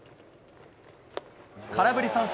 空振り三振。